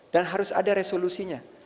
dan harus ada resolusinya